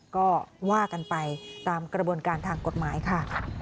ก็ว่ากันไปตามกระบวนการทางกฎหมายค่ะ